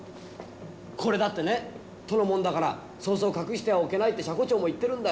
これだってね都のもんだからそうそう隠してはおけないって車庫長も言ってるんだよ。